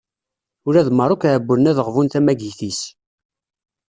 Ula d Meṛṛuk ɛewwlen-d ad ɣbun tamagit-is.